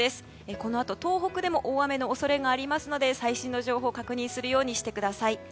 このあと東北でも大雨の恐れがありますので最新情報を確認してください。